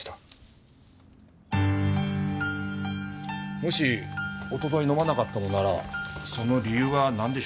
もし一昨日飲まなかったのならその理由はなんでしょうか？